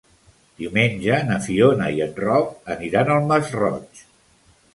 Diumenge na Fiona i en Roc aniran al Masroig.